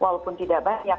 walaupun tidak banyak